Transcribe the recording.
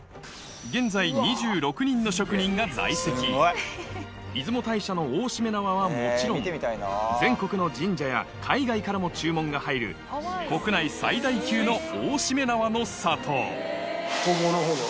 現在２６人の職人が在籍出雲大社の大しめ縄はもちろん全国の神社や海外からも注文が入る国内最大級の大しめ縄の里